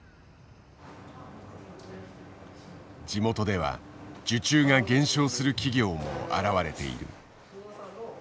地元では受注が減少する企業も現れている。